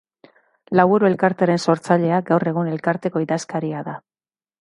Lauburu elkartearen sortzailea, gaur egun elkarteko idazkaria da.